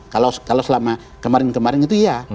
kalau selama kemarin kemarin itu ya